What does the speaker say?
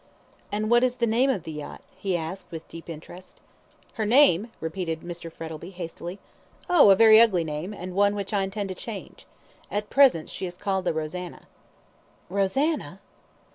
"And what is, the name of the yacht?" he asked, with deep interest. "Her name?" repeated Mr. Frettlby, hastily. "Oh, a very ugly name, and one which I intend to change. At present she is called the 'Rosanna.'" "Rosanna!"